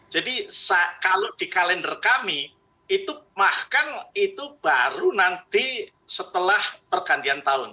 jadi kalau di kalender kami itu bahkan itu baru nanti setelah pergantian tahun